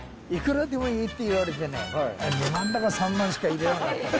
いくらでもいいって言われてね、２万か３万しか入れなかった。